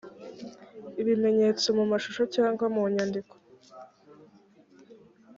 ibimenyetso mu mashusho cyangwa mu nyandiko